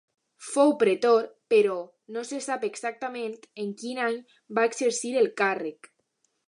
Fou pretor però no se sap exactament en quin any va exercir el càrrec.